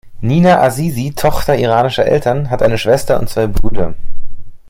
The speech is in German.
Nina Azizi, Tochter iranischer Eltern, hat eine Schwester und zwei Brüder.